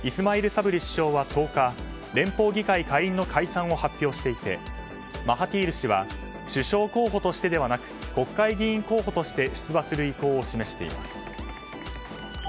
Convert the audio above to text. サブリ首相は１０日連邦議会下院の解散を発表していてマハティール氏は首相候補としてではなく国会議員として出馬する意向を示しています。